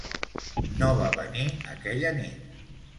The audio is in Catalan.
No va venir aquella nit.